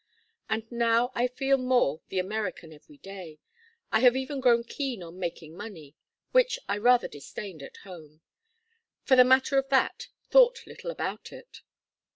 And now I feel more the American every day. I have even grown keen on making money which I rather disdained at home; for the matter of that, thought little about it.